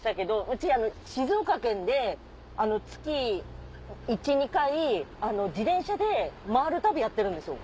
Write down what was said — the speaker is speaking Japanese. うち静岡県で月１２回自転車で回る旅やってるんですよ。